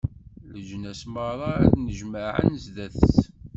Leǧnas meṛṛa ad d-nnejmaɛen zdat-s.